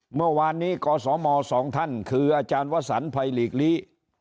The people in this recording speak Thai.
เมื่อวานนี้กสมสองท่านคืออวพลีหรี